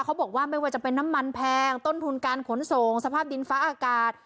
เขาบอกว่าไม่ว่าจะเป็นน้ำมันแพงต้นทุนการขนส่งสภาพดินฟ้าอากาศ